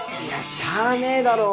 しゃあねえだろ。